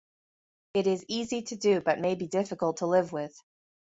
It is easy to do, but may be difficult to live with.